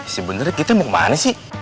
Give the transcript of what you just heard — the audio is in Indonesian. sebenarnya kita mau ke mana sih